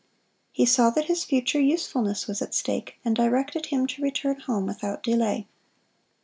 He saw that his future usefulness was at stake, and directed him to return home without delay.